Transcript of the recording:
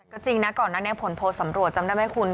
ก็จริงนะก่อนนั้นเนี่ยผลโพลสำรวจจำได้ไหมคุณ